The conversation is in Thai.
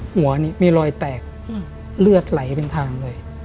หัวนี้มีรอยแตกเลือดไหลเป็นทางเลย